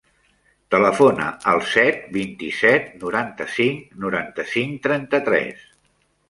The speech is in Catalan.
Telefona al set, vint-i-set, noranta-cinc, noranta-cinc, trenta-tres.